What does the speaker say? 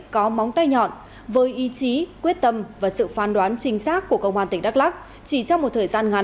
cảm ơn quý vị đã theo dõi